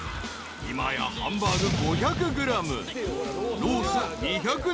今やハンバーグ５００ｇ］